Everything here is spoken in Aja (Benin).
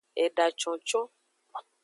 Eda concon.